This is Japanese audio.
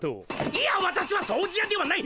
いやわたしは「掃除や」ではない！